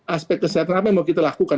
aspek kesehatan apa yang mau kita lakukan